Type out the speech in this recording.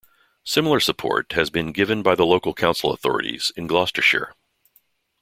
Similar support has been given by the local council authorities in Gloucestershire.